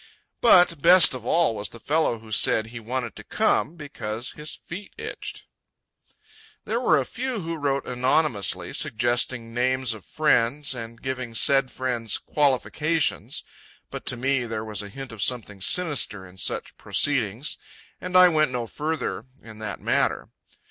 But best of all was the fellow who said he wanted to come because his feet itched. There were a few who wrote anonymously, suggesting names of friends and giving said friends' qualifications; but to me there was a hint of something sinister in such proceedings, and I went no further in the matter.